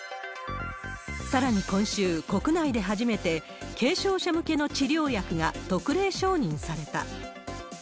さらに、今週、国内で初めて軽症者向けの治療薬が特例承認された。